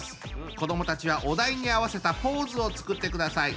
子どもたちはお題に合わせたポーズを作ってください。